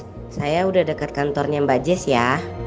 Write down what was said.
mbak jess saya udah deket kantornya mbak jess ya